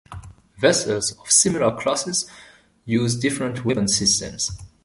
Vessels of similar classes use different weapons systems.